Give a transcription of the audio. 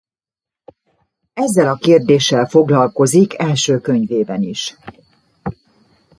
Ezzel a kérdéssel foglalkozik első könyvében is.